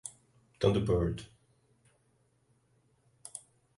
thunderbird